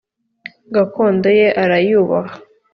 gakondo ye arayubaha.